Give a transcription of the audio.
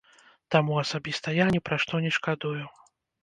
Таму асабіста я ні пра што не шкадую.